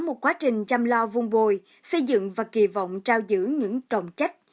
một quá trình chăm lo vung bồi xây dựng và kỳ vọng trao giữ những trọng trách